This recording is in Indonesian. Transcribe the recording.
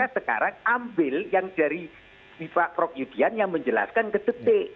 maka sekarang ambil yang dari sifat prof yudhian yang menjelaskan ke detik